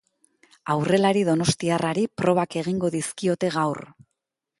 Aurrelari donostiarrari probak egingo dizkiote gaur.